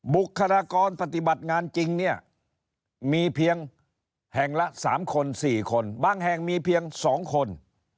บุคลากรปฏิบัติงานจริงเนี่ยมีเพียงแห่งละ๓คน๔คนบางแห่งมีเพียง๒คน